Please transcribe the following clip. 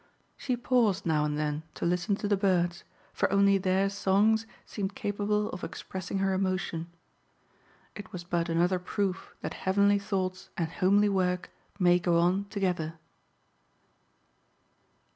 She paused now and then to listen to the birds for only their songs seemed capable of expressing her emotion. It was but another proof that heavenly thoughts and homely work may go on together.